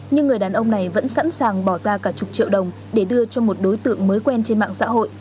nhưng người đàn ông này vẫn sẵn sàng bỏ ra cả chục triệu đồng để đưa cho một đối tượng mới quen trên mạng xã hội